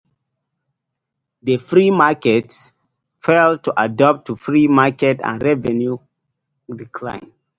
The company failed to adapt to the free market and revenue declined.